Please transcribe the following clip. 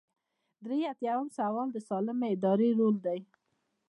درې ایاتیام سوال د سالمې ادارې رول دی.